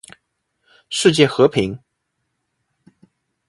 世界和平